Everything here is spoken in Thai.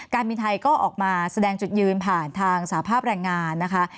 การบินไทยก็ออกมาแสดงจุดยืนผ่านทางสาภาพแรงงานนะคะ